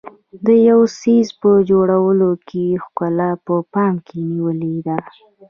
د یو څیز په جوړونه کې ښکلا په پام کې نیولې ده.